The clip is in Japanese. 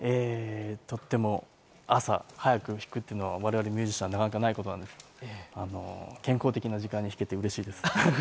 とっても朝早く弾くっていうのは我々ミュージシャンになかなかないことなんですけど、健康的な時間に弾けて嬉しいです。